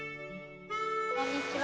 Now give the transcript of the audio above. こんにちは。